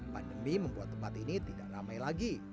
pandemi membuat tempat ini tidak ramai lagi